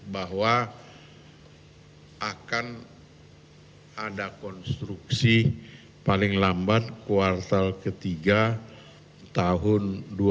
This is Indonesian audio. bahwa akan ada konstruksi paling lambat kuartal ketiga tahun dua ribu dua puluh